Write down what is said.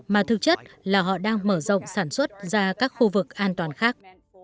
mà thực chất là họ đang mở rộng sản xuất ra các khu vực an toàn khác